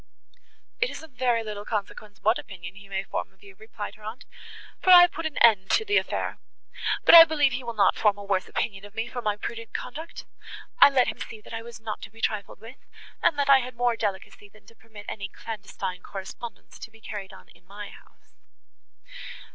"It is of very little consequence what opinion he may form of you," replied her aunt, "for I have put an end to the affair; but I believe he will not form a worse opinion of me for my prudent conduct. I let him see, that I was not to be trifled with, and that I had more delicacy, than to permit any clandestine correspondence to be carried on in my house."